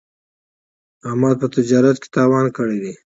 احمد په تجارت کې تاوان کړی دی.